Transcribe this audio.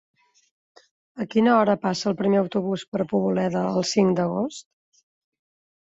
A quina hora passa el primer autobús per Poboleda el cinc d'agost?